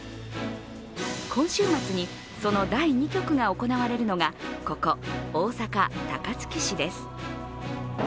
今週末にその第２局が行われるのがここ大阪・高槻市です。